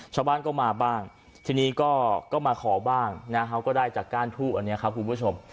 ชาวบ้านก็มาบ้างทีนี้ก็มาขอบ้างนะฮะเขาก็ได้จากก้านทูบอันนี้ครับคุณผู้ชม